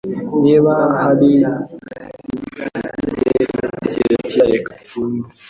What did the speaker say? Niba hari ufite igitekerezo cyiza, reka twumve.